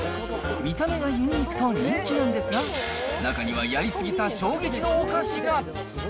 見た目がユニークと人気なんですが、中には、やり過ぎた衝撃のお菓子が。